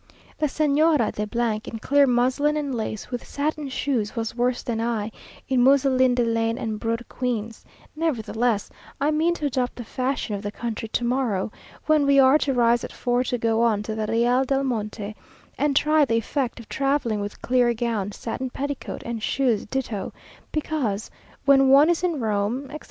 The Señora de , in clear muslin and lace, with satin shoes, was worse than I in mousseline de laine and brode quins; nevertheless, I mean to adopt the fashion of the country to morrow, when we are to rise at four to go on to Real del Monte, and try the effect of travelling with clear gown, satin petticoat, and shoes ditto; because "when one is in Rome," etc.